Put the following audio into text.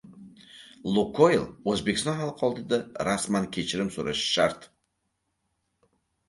Lukoyl O‘zbekiston xalqi oldida rasman kechirim so‘rashi shart